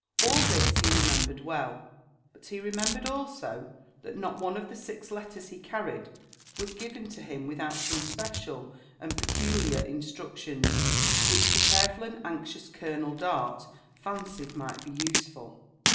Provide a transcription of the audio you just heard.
All this he remembered well ; but he remennhered also, that oot one of the six letters he carried was given to him williout some speeial and peculiar instniclions which the careful and aosiiious Col^el Dart CaocM might l)eiisef4]l.